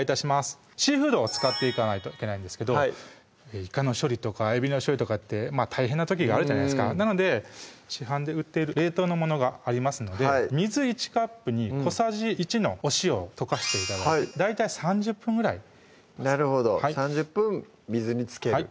シーフードを使っていかないといけないんですけどいかの処理とかえびの処理って大変な時があるじゃないですかなので市販で売っている冷凍のものがありますので水１カップに小さじ１のお塩を溶かして頂いて大体３０分ぐらいなるほど３０分水に漬ける